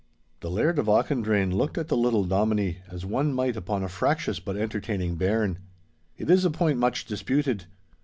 The Laird of Auchendrayne looked at the little Dominie, as one might upon a fractious but entertaining bairn. 'It is a point much disputed.